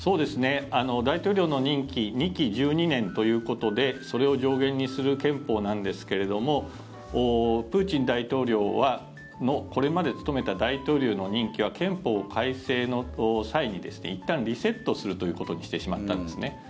大統領の任期２期１２年ということでそれを上限にする憲法なんですけれどもプーチン大統領のこれまで務めた大統領の任期は憲法改正の際にいったんリセットするということにしてしまったんですね。